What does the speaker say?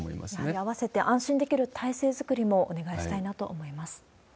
合わせて安心できる体制作りもお願いしたいなと思います。